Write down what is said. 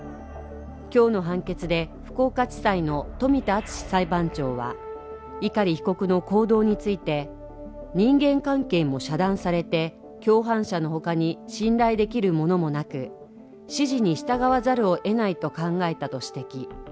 今日の判決で福岡地裁の冨田敦史裁判長は碇被告の行動について、人間関係も遮断されて、共犯者のほかに信頼できる者もなく、指示に従わざるをえないと考えたと指摘。